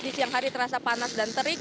di siang hari terasa panas dan terik